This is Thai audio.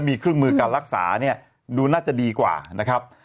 มีเครื่องมือการรักษาเนี่ยดูน่าจะดีกว่านะครับ